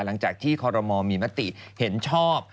หลังจากที่คอรมอลมีมติเห็นชอบ